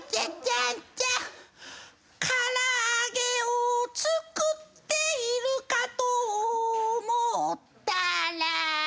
「からあげを作っているかと思ったら」